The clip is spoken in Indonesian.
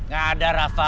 gak ada rafa